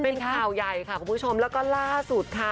เป็นข่าวใหญ่ค่ะคุณผู้ชมแล้วก็ล่าสุดค่ะ